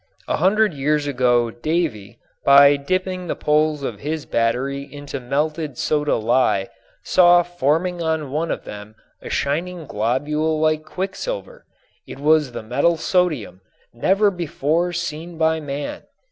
A hundred years ago Davy, by dipping the poles of his battery into melted soda lye, saw forming on one of them a shining globule like quicksilver. It was the metal sodium, never before seen by man.